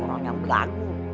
orang yang berlaku